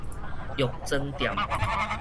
藥妝店